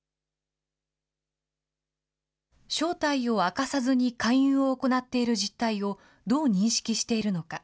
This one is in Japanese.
正体を明かさずに勧誘を行っている実態をどう認識しているのか。